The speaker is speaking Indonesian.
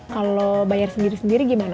kalau bayar sendiri sendiri gimana